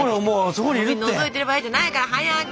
のぞいてる場合じゃないから早く。